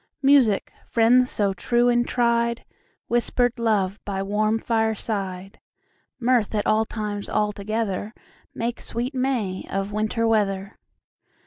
Music, friends so true and tried, Whisper'd love by warm fireside, Mirth at all times all together, Make sweet May of Winter weather.